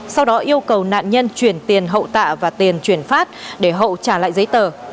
sau đó yêu cầu nạn nhân chuyển tiền hậu tạ và tiền chuyển phát để hậu trả lại giấy tờ